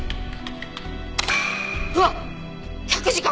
うわっ１００時間！